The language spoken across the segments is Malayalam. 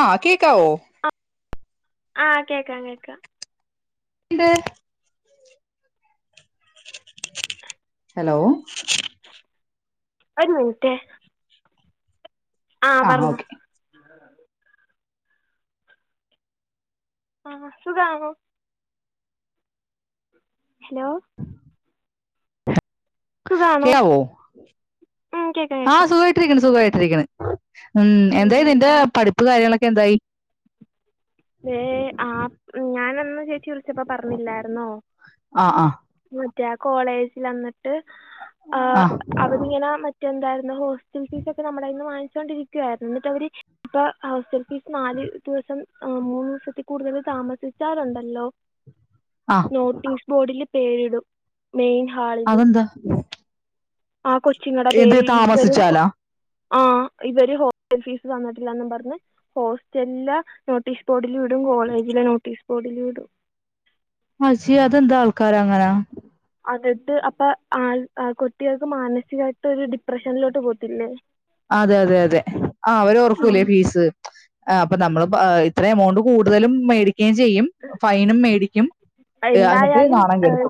ആ കേക്കാവോ ആഹ് കേക്കാം കേക്കാം ഇന്ത് ഹലോ ഒരു മിനിറ്റെ ആ ആഹ് പറഞ്ഞോ ഓക്കെ ആഹ സുഖാണോ ഹലോ സുഖാണോ കേക്കാവോ ഉം കേക്കാം ആ കേക്കാം സുഖായിട്ടിരിക്കുണ് സുഖ [unintelligible] ഉം എന്തായി നിന്റെ ഉം പഠിപ്പ് കാര്യങ്ങളൊ എന്തായി ആ ഞാനന്ന് ച്ച വിളിച്ചപ്പോ പറഞ്ഞില്ലായിരുന്നോ ആഹ് ആഹ് മറ്റേ കോളേജിൽന്നിട്ട് ആഹ് അവനിങ്ങനെ എന്തായിരുന്നു ഹോസ്റ്റ ഫീസ് ഒക്കെ നമ്മടെ കൈന്ന് വാങ്ങി ണ്ടരിക്കായിര്ന്ന് എന്നിട്ട അവര് ഇപ്പ ഹോസ്റ്റൽ ഫീസ് നാല് ദിവസം ആ മൂന്നു ദിവസത്തിൽ കൂടുതൽ താമസിച്ചാലുണ്ടല്ലോ ആഹ് നോട്ടീസ് ബോർഡില് പേരിടും മെയിൻ ഹാളില് അതെന്താ ആ കൊച്ചിങ്ങളുടെ എന്ത് പേര് [unintelligible] താമസിച്ചാലാ ആ ഇവര് ഹോസ്റ്റൽ ഫീസ് തന്നിട്ടില്ലെന്നും പറഞ്ഞ് ഹോസ്റ്റലെ നോട്ടീസ് ബോർഡിലും കോളേജിലെ നോട്ടീസ് കൊടലൂടു അശ്യ അതെന്ത് ആൾക്കാരാ അങ്ങനാ അതിട്ട് അപ്പൊ ആ കുട്ടികൾക്ക് മാനസികമായിട്ട് ഒരു ഡിപ്രഷനിലോട്ട് പോത്തില്ലേ അതെ അതെ അതെ ആ അവരോർക്കൂല്ലേ ഫീസ് ആ അപ്പൊ നമ്മള് എത്ര എമൗണ്ട് കൂടുതലും മേടി ചെയ്യും ഫൈനും മേടി യം എന്തായാലും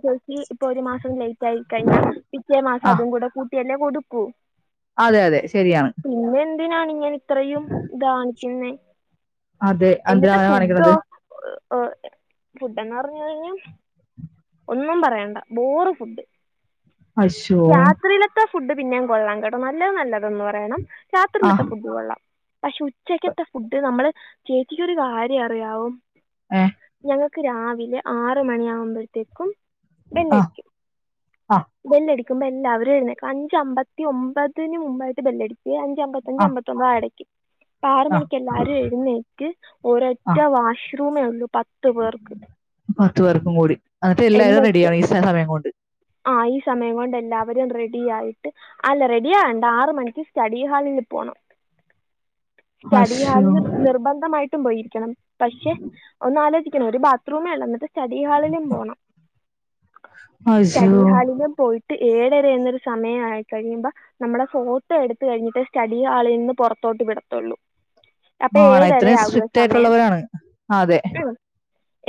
ചേച്ചി ഇപ്പൊ ഒരു മാസം ലേറ്റ് ആയി കഴിഞ്ഞാൽ പിറ്റേ മാസം ആഹ് അതും കൂടെ കൂട്ടിയല്ലെ കൊടുക്കൂ.. അതെ അതെ ശരിയാണ് പിന്നെ എന്തിനാണ് ഇങ്ങന് ഇത്രയും ഇതാണിക്കുന്നേ അതെ എന്തിനാ എന്നിട്ട് അങ്ങനെ ഫുഡോ? കാണിക്കണത് ഫുഡ്ങ്ങ [unintelligible] ഒന്നും പറയണ്ട ബോറ് ഫുഡ് അശ്ശോ.. രാത്രിയിലത്തെ ഫുഡ് പിന്നെയും കൊള്ളാം കേട്ടോ നല്ലത് നല്ലതെന്ന് പറയണം രാത്രിയിലത്ത ആഹ് ഫുഡ് കൊള്ളാം പക്ഷെ ഉച്ചക്കത്തെ ഫുഡ് നമ്മള് ചേച്ചിക്കൊരു കാര്യം അറിയാവോ? ഏഹ് ഞങ്ങക്ക് രാവി ആറ് മണിയാകുമ്പോഴ തേക്കും ആഹ് ബെല്ലടിക്കി ആഹ് ബെല്ലടി ക്കുമ്പ എല്ലാവരും എഴുന്നേക്കും അഞ്ച് അമ്പത്തി ഒമ്പതിന് മുമ്പായിട്ട് ബെല്ലടിക്കു ഈ അഞ്ച് അമ്പത്തഞ്ച് ആഹ് അമ്പത്തൊമ്പത് ആ ഇടക്ക് അപ്പ ആറ് ആഹ് മണിക്ക് എല്ലാരും എഴുന്നേറ്റ് ആഹ് ഒരൊറ്റ വാഷ് റൂമി വന്നു പത്ത് പേർക്കും കൂടി അതില്ല അത് എന്നിട്ട് റെഡിയായി [unintelligible] സമയം കൊണ്ട് [unintelligible] ആ ഈ സമയം കൊണ്ട് എല്ലാവരും റെഡി ആയിട്ട് അല്ല റെഡി ആകണ്ട ആറ് മണിക്ക് സ്റ്റഡി ഹാളിൽ പോണം. സ്റ്റഡി അശോ ഹാളിൽ നിർബന്ധമായി [unintelligible] പോയി [unintelligible] പക്ഷെ ഒന്ന് ആലോചിക്ക [unintelligible] ഒരു ബാത്റൂമേള്ള് എന്നിട്ട് സ്റ്റഡീ ഹാളിലും പോണം അശോ സ്റ്റഡി ഹാളിലും പോയിട്ട് ഏഴര എന്നൊരു സമയായി കഴിയുമ്പ നമ്മുടെ ഫോട്ടോ എടുത്ത് കഴിഞ്ഞിട്ട് സ്റ്റഡീ ഹാളിന്ന് പുറത്തോട്ട് വിടത്തൊള്ളൂ അപ്പ ആണോ ഏഴര ഇത്രയും ആകുവ സ്ട്രിക്റ്റ് സമയം ആയിട്ടുള്ളവരാണ് അതെ ആവോ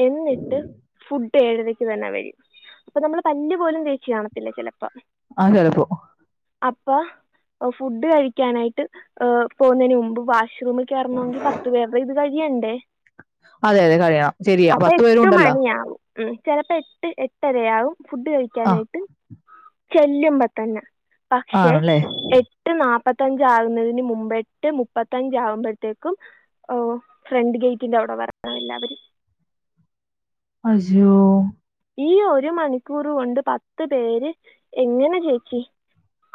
എന്നിട്ട് ഫുഡ് ഏഴരയ്ക്ക് തന്നെ വരും അ [unintelligible] നമ്മള് പല്ല് പോലും തേച്ച് കാണത്തില്ല ചിലപ്പോ ആഹ ചിലപ്പോ.. അപ്പ ഫുഡ് കഴിക്കാനായിട്ട് പോകുന്നതിന് മുമ്പ് ഷ്റൂമിൽ കേറണോങ്കി പത്ത് പേര്ടെ ഇത് കഴിയണ്ടേ അതെ അതെ കഴിയണം ശെരിയാ പത്തു പേരു ഉണ്ടല്ലോ ഉം ചെലപ്പോ എട്ട് എട്ടരയാവും ഫുഡ് ആ കഴിക്കാനായിട്ട് ചെല്ലുമ്പ തന്നെ പക്ഷെ ആണല്ലേ എട്ട് നാപ്പ ത്തഞ്ച് ആകുന്നതിന് മുമ്പ് എട്ട് മുപ്പത്തഞ്ച് ആവുമ്പഴത്തേക്കും ഓ ഫ്രണ്ട് ഗേറ്റിന്റെ അവിടെ വ [unintelligible] ക്കണം എല്ലാവരും അജോ ഈ ഒരു മണിക്കൂർ കൊണ്ട് പത്ത് പേര് എങ്ങനെ ചേച്ചി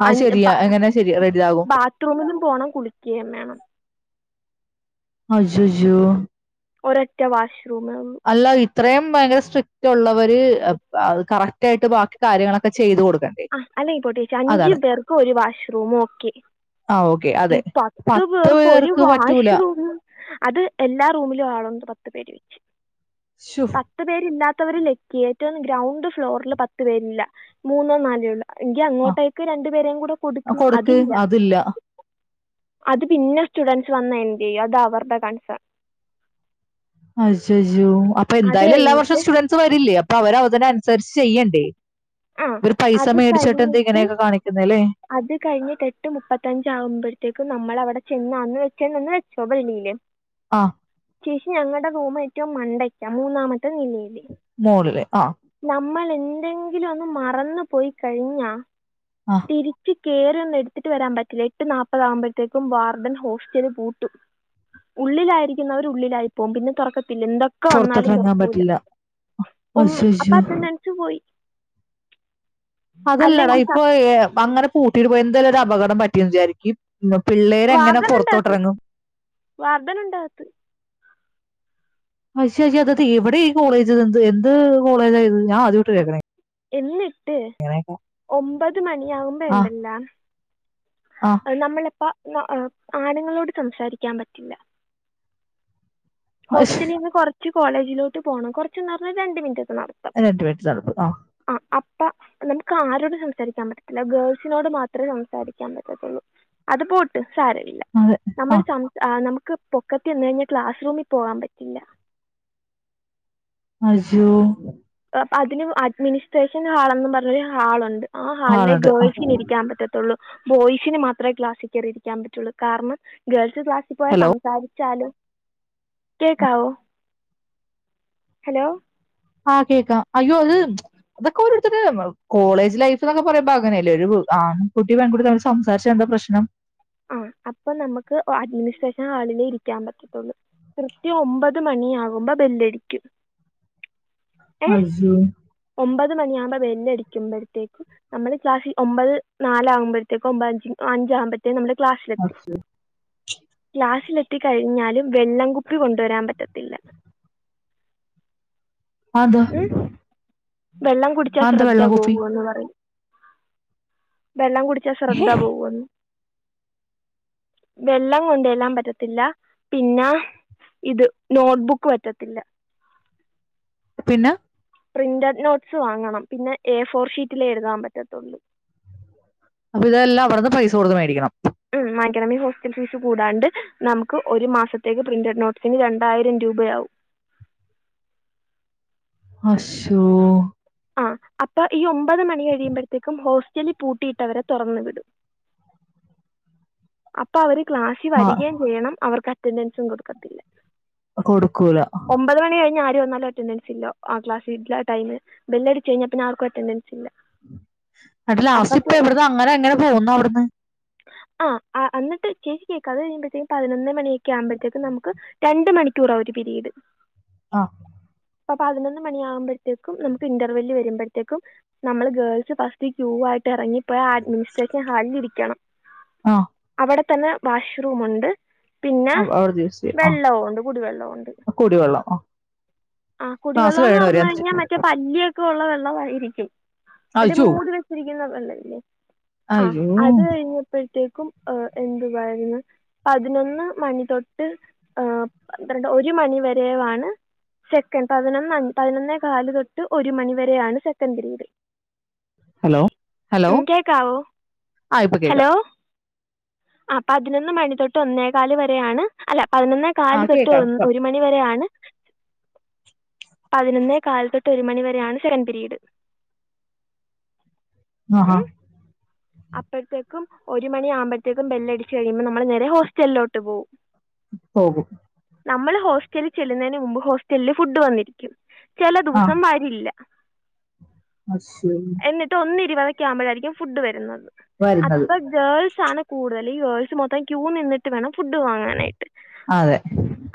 ആ ശെരിയാ എങ്ങനെ ശരി റെഡി താവും പോണം കുളിക്കേം വേണം അജോജോ ഒരൊറ്റ വാഷ് റൂമേള്ളൂ ഇത്രേം ഭയങ്കര സ്ട്രിക്റ്റ് ഉള്ളവര് അത് കറക്റ്റായിട്ട് ബാക്കി കാര്യങ്ങളൊക്കെ ചെയ്ത് കൊട് ആ അല്ലെങ്കി പോട്ടെ ഏച്ചി അഞ്ച് പേർക്കും ഒരു വാഷ്റൂമ് ഓക്കെ ആ ഓക്കെ ഈ അതെ പത്ത് പേർക്ക് ഒരു പറ്റൂല വാഷ്റൂമ് അത് എല്ലാ റൂമിലും ആളൊണ്ട് പത്ത് പേര് വെച്ച് ശു പത്ത് പേര് ഇല്ലാ ത്തവര് ലക്കി ഏറ്റവും ഗ്രൗണ്ട് ഫ്ലോറില് പത്ത് പേരില്ല മൂന്നോ നാലോ ഒള്ള് എങ്കി അങ്ങോട്ടേക്ക് രണ്ടു പേരേം കൂടെ കൊടുക്ക് അതില്ല അത് പിന്നെ സ്റ്റുഡൻറ്സ് വന്ന എന്തെയ്യും അതാ അവരുടെ കൺസേൺ അഹ് [unintelligible] അജോജോ അപ്പൊ അത് എന്തായാലും എല്ലാ വർഷം കഴിഞ്ഞിട്ട് സ്റ്റുഡൻറ്സ് വരില്ലേ അപ്പൊ അവര അവ [unintelligible] സെർച്ച് ചെയ്യണ്ടേ ആ ഇവര് പൈസ അത് മേടിച്ചിട്ട് എന്തേ കഴിഞ്ഞിട്ട് ഇങ്ങനെയൊക്കെ കാണിക്കുന്നേ ല്ലേ അത് കഴിഞ്ഞിട്ട് എട്ട് മുപ്പത്തഞ്ച് ആവുമ്പഴത്തേക്കും നമ്മളവടെ ചെന്ന് അന്ന് വെച്ചേ ന്നന്ന് വെച്ചോ വെളിയില് ആഹ് ചേഷി ഞങ്ങടെ റൂം ഏറ്റവും മണ്ടയ്ക്ക മൂന്നാമ ത്തെ നിലയില് മോളില്. ആ, നമ്മളെ എന്തെങ്കിലും ഒന്ന് മറന്ന് പോയി കഴിഞ്ഞാ ആഹ്‌ തിരിച്ച് കേറാൻ എടുത്തിട്ട് വരാൻ പറ്റില്ല എട്ട് നാപ്പതാകുമ്പോഴ്ത്തേക്കും വാർഡൻ ഹോസ്റ്റല് പൂട്ടും ഉള്ളിലായിരിക്കുന്നവർ ഉള്ളിലായി പോകും പിന്നെ തൊറക്ക പിന്നെന്തോക്കെ വന്നാലും പുറത്തോട്ടിറങ്ങാൻ തോർക്കൂല പറ്റില്ല. അ ഉം അപ്പൊ അയ്യയ്യോ! അറ്റെൻഡെൻസ് പോയി അതല്ലടാ അല്ലെങ്കിൽ ഇപ്പൊ യെ അങ്ങനെ പൂട്ടിട്ട് പോയ എന്റെലൊരാപകടം പറ്റിന്ന് വിചാരിക്കി [unintelligible] പിള്ളേരെങ്ങനെ വാർഡൻ ഉണ്ടാകത്ത് പുറത്തോട്ടിറങ്ങും വാർഡൻ ഉണ്ടാകത്ത് അശാശ്ശെത് തി എവിടെ ഈ കോളേജ് ഇത് എന്ത് എന്ത് കോളേജത് ഞാൻ ആതിയാട്ട കേൾക്കണേ എല്ല് ഇങ്ങനെയൊക്കെ. ഒമ്പത് ആ, മണിയകുമ്പണ്ടല്ല ആ അ നമ്മളെപ്പ ന്ന അ ആണുങ്ങളോട് സംസാരിക്കാൻ പറ്റില്ല അശ് ഹോസ്റ്റലിന്ന് കൊറച്ച് കോളേജിലോട്ട് പോണം കൊർച്ന്ന് പറഞ്ഞ രണ്ട് മിനിറ്റ്ക്കന്ന രണ്ട്മിന്റ്സ് നടക്കും ആഹ് അപ്പ നമുക്കാരോടും സംസാരിക്കാൻ പറ്റത്തില്ല ഗേൾസിനോട് മാത്രേ സംസാരിക്കാൻ പറ്റത്തൊള്ളു അത് പോട്ട് സാരമില്ല അതെ. ആ, നമ്മള്‌ സംസാ ആഹ് നമ്മ ക്ക് പൊക്കത്തി നിന്ന് കഴിഞ്ഞാൽ ക്ലാസ് റൂമി പോവാൻ പറ്റില്ല യിജോ അതിനു അഡ്മിനിസ്ട്രേഷൻ ഹാൾന്ന് പറഞ്ഞൊരു ഹാൾ ഒണ്ട് ആ് അല്ലേ ആളുണ്ട്. ആ, ഗേൾസിന് ഇരിക്കാൻ പറ്റെത്തുള്ളൂ ബോയ്സിന് മാത്രമേ ക്ലാസ്സിൽ കേറിയിരിക്കാൻ പറ്റുള്ളൂ കാരണം ഗേൾസ് ച്ച് ക്ലാസ്സി പോയാൽ ഹലോ? സംസാരിച്ചാലോ കേക്കാവോ? ഹലോ ആഹ് കേക്കാം അയ്യോ അത് അതൊക്കെ ഒരേത്തരുടെ കോളേജ് ലൈഫ് എന്നൊക്കെ പറയമ്പം അങ്ങനെയല്ലേ ഒരു ആ കുട്ടി പെൺകുട്ടി തമ്മിൽ സംസാരിച്ച എന്താ പ്രശ്നം അപ്പെ നമ്മക്ക് അഡ്മിനിസ്ട്രേഷൻ ഹാളി ഇരിക്കാൻ പറ്റെത്തുള്ളൂ കൃത്യം ഒമ്പത് മണിയാകുമ്പോ ബെല്ലടിക്കും അയ്യോ ഇത് എന്ന് പറഞ്ഞാ ബല്ല്ടിക്കുമ്പഴേ ത്തോക്കും നമ്മള് ക്ലാസ്സിൽ ഒമ്പത് നാലാമ്പഴത്തേക്കോ ഒമ്പത് അഞ്ചി അഞ്ചാകാമ്പഴത്ത് റ്റ് നമ്മള് ക്ലാസിലെത്തി ക്ലാസിലെ ത്തി കഴിഞ്ഞാലും വെള്ളം കുപ്പി കൊണ്ടുവരാൻ പറ്റത്തില്ല അതോ ഉം വെള്ളം കുടിച്ചാ ശ്രദ്ധ പോകുവെന്ന് പറയും വെള്ളം കുടിച്ചാ ശ്രദ്ധ പോകുവെന്ന് വെള്ളം കൊണ്ട് ചെല്ലാൻ പറ്റത്തില്ല പിന്നെ ഇത് നോട്ട്ബുക്ക് പറ്റത്തില്ല ന്ന പ്രിന്റഡ് നോട്ട്സ് വാങ്ങണം പിന്നെ എഫോർ ഷീറ്റിലേ എഴുതാൻ പറ്റത്തുള്ളൂ അപ്പൊ ഇതെല്ലാം അവിടെന്ന് പൈസ കൊട്ത്ത് മേടിക്കണം ഉം വാങ്ങിക്കണമിൽ ഹോസ്റ്റൽഫീസ് കൂടാണ്ട് നമുക്ക് ഒരു മാസത്തേക്ക് പ്രിൻ്റെഡ് നോട്ട്സിന് രണ്ടായിരം രൂപയാവും. അഷോ ആ അപ്പാ ഈ ഒമ്പത് മണി കഴിയുമ്പോഴത്തേക്കും ഹോസ്റ്റലി പൂട്ടിയിട്ടവരെ തുറന്ന് വിടും അപ്പ അവര് ക്ലാഷ് ആഹ് വരികേം ചെയ്യണം അവർക്ക് റ്റൻ്റൻസും കൊട്ക്കത്തില്ല കൊട്ക്കൂല ആര് വന്നാലും അറ്റൻന്റൻസില്ല ആ ക്ലാസിൻ്റെ ടൈമ് ബെല്ല് അടിച്ച് കഴിഞ്ഞാ പിന്ന ആർക്കും അറ്റൻ്റെൻ അട്ട് ലാസ്റ്റ് ഇപ്പ എവിടന്ന് അങ്ങനെ എങ്ങനെ പോകുന്നു അവിടുന്ന് ആ ആ അന്നട്ട് ചേച്ചി കേൾക് അത് കഴിയുമ്പോഴത്തേക്കും പതിനൊന്ന മണിയൊക്കെ ആവുമ്പോഴത്തേക്ക് നമുക്ക് രണ്ട് മണിക്കൂറാവ ഒരു പിരീട് ആ അപ്പ പതിനൊന്ന് മണി ആകുമ്പോഴത്തേക്കും നമുക്ക് ഇന്റർവ്യൂല് വരുമ്പോഴത്തേക്കും നമ്മള് ഗേൾസ് ഫസ്റ്റ് ക്യൂ ആയിട്ട് ഇറങ്ങിപ്പോ അഡ്മിനിസ്ട്രേഷൻ ഹാളിലിരിക്കണം. ആ അവിടെ തന്നെ വാഷ്റൂം ഉണ്ട് പിന്നെ അവിടുന്ന് യൂസ് ചെയ്യും ആഹ് വെള്ളവൂണ്ട് കുടിവെള്ളവൂണ്ട് കുടിവെള്ളം ആഹ് ആ ക്ലാസ് കുടിവെള്ളംന്ന് കഴിയണവരെ പറഞ്ഞ കഴിഞ്ഞാൽ മറ്റേ പല്ലിയൊക്കെ ക്കുള്ള വെള്ളമായിരിക്കും. അത് അയ്യോ മുടിവച്ചിരിക്ക ക്കുന്ന വെള്ളവില്ലേ ആ അയ്യോ അത് കഴിഞ്ഞപ്പോഴത്തെേ ഏ എന്ത് പറയരുന്നു പതിനൊന്ന് മണി തൊട്ട് ഏ പന്ത്രണ്ട് ഒരു മണിവരെവാണ് സെക്കൻഡ് പതിനൊന്ന് പതിനൊന്നേ കാല് തൊട്ട് ഒരു മണിവരെയാണ് സെക്കൻഡ് പിരീഡ്. ഹലോ ഹലോ ആ ഇപ്പൊ കേക്ക ഹലോ ആ പതിനൊന്ന് മണി തൊട്ട് ഒന്നേകാല് വരെ ആണ് അല്ല പതിനൊന്നേ ആഹ് കാല് തൊട്ട് ഒ കേക്കാം ഒരു മണിവരെ ആണ് പതിനൊന്നേകാൽ തൊട്ട് ഒരു മണിവരെയാണ് സെവൺപിരീഡ്. ആഹ അപ്പഴത്തേക്കും ഒരു മണിയാകുമ്പഴത്തേക്കും ബെല്ലടിച്ചു കഴിയുമ്പോൾ നമ്മൾ നേരെ ഹോസ്റ്റലിലോട്ട് പോവും. ഓഹോ നമ്മൾ ഹോസ്റ്റലിൽ ചെല്ലുന്നതിന് മുമ്പ് ഹോസ്റ്റലിൽ ഫുഡ് വന്നിരിക്കും ചില ദിവസം വരില്ല അശോ [unintelligible] ഫുഡ് വരുന്നത് വരുന്നത് അപ്പ ഗേൾസ് ആണ് കൂടുതൽ ല്ലീ ഗേൾസ് മൊത്തം ക്യൂ നിന്നിട്ട് വേണം ഫുഡ് വാങ്ങാനയിട്ട് അതെ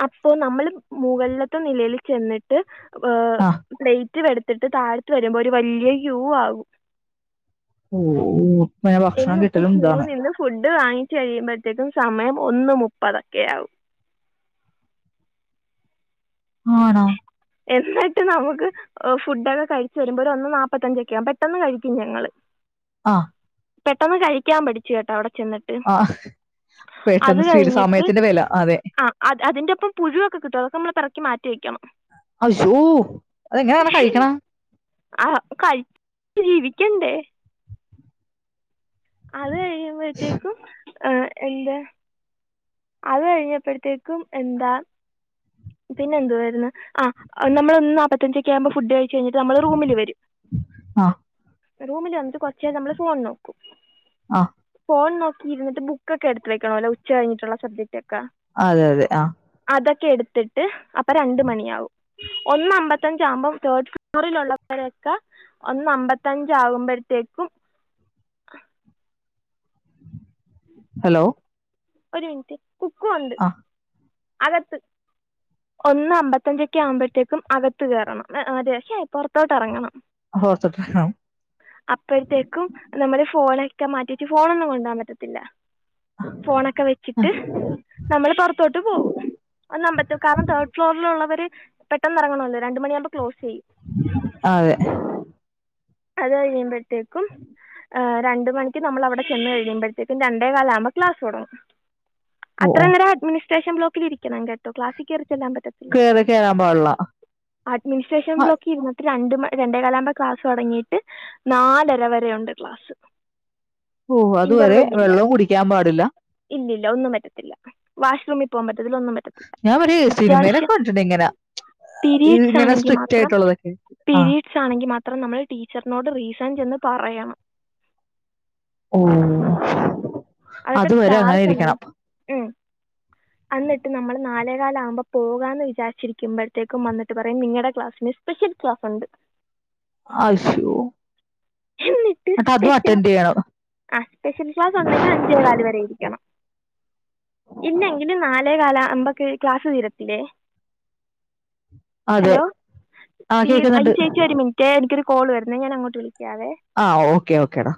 അപ്പോ നമ്മള് മുകളിലത്തെ നിലയില് ചെന്നിട്ട് വ ഏഹ് ആ പ്ലേ റ്റ് വെടുത്തിട്ട് താഴത്ത് വരുമ്പോ ഒരു വല്ല്യ ക്യൂ ആകും ഓ ഓഹ്‌ പിന്നെ ഭക്ഷണം കിട്ടലും ഇതാണ് ഡ്ഡ് വാങ്ങിച്ച് കഴിയുമ്പഴത്തേക്കും സമയം ഒന്ന് മുപ്പതൊക്കെ ആവും ആണോ എന്നിട്ട് നമുക്ക് ഫുഡൊക്കെ കഴിച്ചു വരുമ്പോ ഒരു ഒന്ന് നാപ്പത്തഞ്ചൊക്കെ ആവും പെട്ടെന്ന് കഴിക്കും ഞങ്ങൾ ആഹ്‌ പെട്ടെന്ന് കഴിക്കാൻ പഠിച്ചു കേട്ടോ അവടെ ആ അത് പെട്ടെന്ന് [unintelligible] സമയത്തിന്റെ വില അതെ അതിന്റെ ഒപ്പം പുഴുവൊക്കെ കിട്ടും അതൊക്കെ നമ്മള് പിറക്കി മാറ്റി വെക്കണം അശോ അത് എങ്ങനാണ് കഴിക്കണേ ആ അപ്പോ [inaudible] ജീവിക്കണ്ടേ അത് കഴിയുമ്പോളേതെക്കും ആഹ് എന്താ അത് കഴിഞ്ഞപ്പോഴത്തേക്കും എന്താ പിന്നെ എന്തുവായിരുന്നു ആഹ് നമ്മൾ ഒന്ന് നാല്പ്പത്തഞ്ച് ഒക്കെ ആവുമ്പോൾ ഫുഡ് കഴ കഴിഞ്ഞിട്ട് നമ്മള് റൂമില് വരും ആ റൂമിൽ വന്നിട്ട് കൊറച്ചു നേരം നമ്മള് ഫോൺ നോക്കും ആഹ് ഫോൺ നോക്കിയിരുന്നുന്നിട്ട് ബുക്കൊക്കെ എടുത്ത് വെക്കാണല്ലോ ഉച്ച കഴിഞ്ഞിട്ടുള്ള സബ്ജക്റ്റ് എക്കാണ അതെ അതെ ആ അതൊക്കെ എടുത്തിട്ട് അപ്പൊ രണ്ട് മണിയാവും ഒന്ന് അമ്പത്തഞ്ച് ആകുമ്പോ തേർഡ് ഫ്ലോറിലുള്ളവരൊക്കെ ഒന്ന് അമ്പത്തഞ്ച് ആകുമ്പോഴത്തേക്കും ആഹ് ഹലോ ഒരു മിനിറ്റ് കുക്കു ഉണ്ട് ആ അകത്ത് ഒന്ന് അമ്പത്തഞ്ചൊക്കെ ആവുമ്പോഴത്തേക്കും അകത്ത് കയറണം അതെ ശെ ത്തോട്ട് ഇറങ്ങണം ഓർത്തിട്ടാണ് അപ്പഴത്തേക്കും നമ്മള് ഫോണെ ക്കെ മാറ്റിട്ട് ഫോൺ ഒന്നും കൊണ്ടാൻ പറ്റത്തില്ല ഫോണൊക്കെ വെച്ചിട്ട് നമ്മള് പൊറത്തോട്ട് പോവും ഒന്നമ്പ [unintelligible] കാരണം തേർഡ് ഫ്ലോറിലുള്ളവര് പെട്ടെന്ന് എറങ്ങണോല്ലോ രണ്ട് മണിയാവുമ്പ ആ അതെ അത് കഴിഞ്ഞ് എന്താ [unintelligible] ത്തേക്കും ആഹ് രണ്ട് മണിക്ക് നമ്മൾ അവിടെ ചെന്നു കഴിയുമ്പഴത്തേക്ക് രണ്ടേ കാലാകുമ്പം ക്ലാസ്സ് തൊടങ്ങും ഓ അത്ര ഓ നേരം അഡ്മിനിസ് സ്റ്റേഷൻ ബ്ലോക്കിലിരിക്കണം കേട്ടോ ക്ലാസി ചെല്ലാൻ പറ്റത്തില്ല കേറി കേറാൻ പാടില്ല അഡ്മിനിസ്ട്രേഷൻ ആ, ബ്ലോക്ക് രണ്ട മണി രണ്ടേ കാലം ആകുമ്പോ ക്ലാസ്സ് തുടങ്ങിയിട്ട് നാലര വരെണ്ട് ക്ലാസ് ഓ അതുവരെ വെള്ളം കുടിക്കാൻ പാട ത്തില്ല ഇല്ലല്ല ഒന്നും പറ്റത്തില്ല വാഷ്റൂമിൽ പോകാൻ പറ്റില്ല ഇതിലൊന്നും പറ്റത്തില്ല ഞാൻ വരെ സിനിമയിലൊക്കെ അത്യാവശ്യം കണ്ടിട്ടുണ്ട് ഇങ്ങനെ പിരീഡ്സ് ഇങ്ങനെ ആണെങ്കിൽ സ്ട്രിക്റ്റ് മാത്ര ആയിട്ടുള്ളതൊക്കെ ആ പരീഡ്സ് ആണെങ്കിൽ മാത്രം നമ്മൾ ടീച്ചറിനോട് റീസൺ ചെന്ന് പറയണം ഓ അതൊക്കെ അതുവരെ അങ്ങനെ ഡാർക്ക്ല്ലേ ഇരിക്കണം ഉ അന്നിട്ട് നമ്മള് നാലേ കാല ആകുമ്പോ പോകാ എന്ന് വിചാരിച്ചിരിക്കുമ്പോഴത്തേക്കും വന്നിട്ട് പറയും നിങ്ങളുടെ ക്ലാസ്സിന് സ്പെഷ്യൽ ക്ലാസ് ഉണ്ട് അശോ എന്നിട്ട് എന്നട്ട് അതും സ്പെഷ്യൽ അറ്റൻഡ് ചെയ്യണം ആ സ്പെഷ്യൽ ക്ലാസ് ഉണ്ടെങ്കിൽ അഞ്ചേകാൽ ഇരിക്കണം ഇല്ലെങ്കിൽ നാലേ കാല അമ്പക്ക ക്ലാസ് തീരത്തിലേ അതെ. ഹലോ ആ ത കേൾക്കുന്നുണ്ട്. അഞ്ചു ചേച്ചി ഒരു മിനിറ്റ് എനിക്കൊരു കോൾ വരുന്ന ഞാ അങ്ങോട്ട വിളി ആ ഓക്കേ ഓക്കേടാ